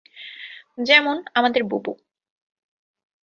যেমন, আমাদের বুবু!